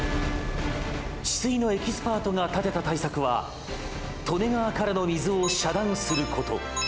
治水のエキスパートが立てた対策は利根川からの水をしゃ断すること。